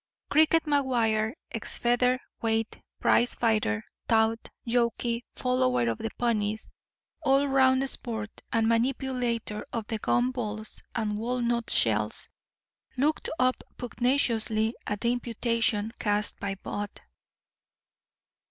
"Cricket" McGuire, ex feather weight prizefighter, tout, jockey, follower of the "ponies," all round sport, and manipulator of the gum balls and walnut shells, looked up pugnaciously at the imputation cast by "bud."